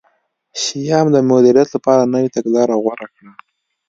شیام د مدیریت لپاره نوې تګلاره غوره کړه.